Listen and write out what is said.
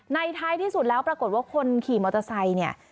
ท้ายที่สุดแล้วปรากฏว่าคนขี่มอเตอร์ไซค์เนี่ย